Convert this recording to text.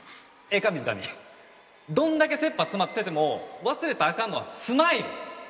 ええか水上どんだけせっぱ詰まってても忘れたあかんのはスマイル。